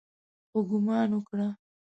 ښه ګومان وکړه.